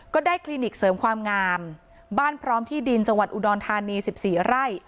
คลินิกเสริมความงามบ้านพร้อมที่ดินจังหวัดอุดรธานี๑๔ไร่